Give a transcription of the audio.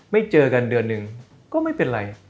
เจอกันเดือนหนึ่งก็ไม่เป็นไร